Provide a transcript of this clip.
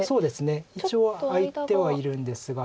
一応空いてはいるんですが。